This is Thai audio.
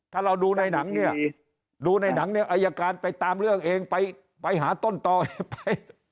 ถ้าเราดูในหนังเนี่ยดูในหนังเนี่ยอายการไปตามเรื่องเองไปหาต้นต่อเองไป